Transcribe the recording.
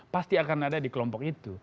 pasti akan ada di kelompok itu